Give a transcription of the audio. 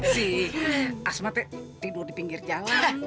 si asmat tidur di pinggir jalan